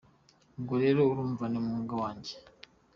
Ubwo rero urumva ni umwuga wanjye.